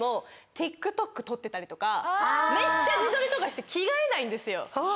撮ってたりとかめっちゃ自撮りとかして着替えないんですよ。